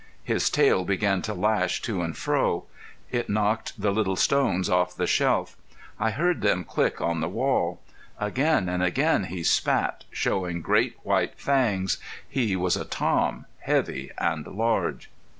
His tail began to lash to and fro; it knocked the little stones off the shelf. I heard them click on the wall. Again and again he spat, showing great, white fangs. He was a Tom, heavy and large.